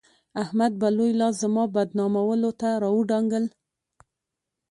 احمد به لوی لاس زما بدنامولو ته راودانګل.